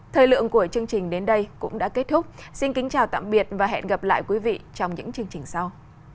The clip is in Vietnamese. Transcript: thời lượng của chương trình đến đây cũng đã kết thúc xin kính chào tạm biệt và hẹn gặp lại quý vị trong những chương trình sau